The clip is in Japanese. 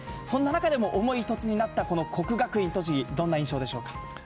そんな中でも想いひとつになったこの国学院栃木、どんな印象でしょうか。